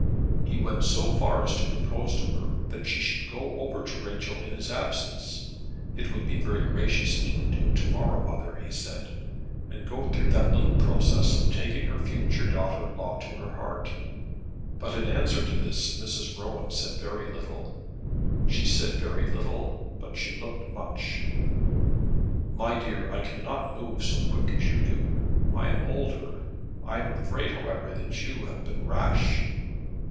He went so far as to propose to her that she should go over to Rachel in his absence, "it would be very gracious if you could do it to morrow, mother," he said, and go through that little process of taking her future daughter in law to her heart. But in answer to this Mrs. Rowan said very little. She said very little, but she looked much. "My dear, I cannot move so quick as you do; I am older. I am afraid, however, that you have been rash."